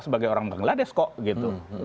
sebagai orang bangladesh kok gitu